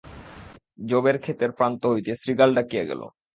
যবের খেতের প্রান্ত হইতে শৃগাল ডাকিয়া গেল।